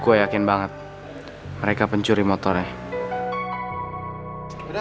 gue yakin banget mereka pencuri motornya